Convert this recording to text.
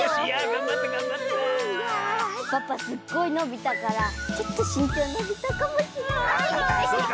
パパすっごいのびたからちょっとしんちょうのびたかもしれない！